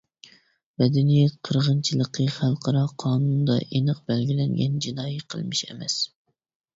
مەدەنىيەت قىرغىنچىلىقى خەلقئارا قانۇندا ئېنىق بەلگىلەنگەن جىنايى قىلمىش ئەمەس.